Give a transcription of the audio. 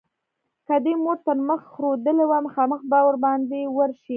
که دې مور تر مخ رودلې وه؛ مخامخ به باندې ورشې.